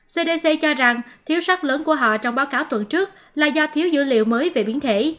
cdc cho rằng thiếu sắc lớn của họ trong báo cáo tuần trước là do thiếu dữ liệu mới về biến thể